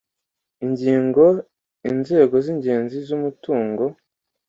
Ingingo inzego z ingenzi z umutungo